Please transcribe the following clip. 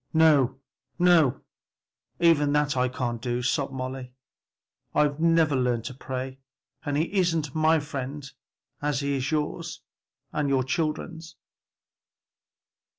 "No, no, even that I can't do," sobbed Molly, "I've never learned to pray, and he isn't my friend as he is yours and your children's!"